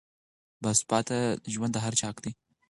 باثباته ژوند د هر چا حق دی.